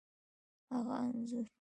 هغه انځور،